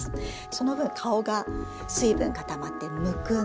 その分顔が水分がたまってむくんで丸くなります。